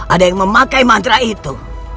ada yang memakai mantra itu